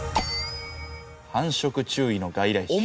「“繁殖注意の外来種”」